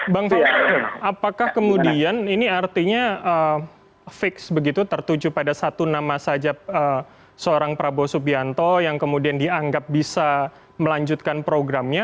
bang ferry apakah kemudian ini artinya fix begitu tertuju pada satu nama saja seorang prabowo subianto yang kemudian dianggap bisa melanjutkan programnya